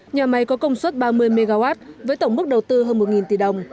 nhà máy có công suất ba mươi mw với tổng mức đầu tư hơn một tỷ đồng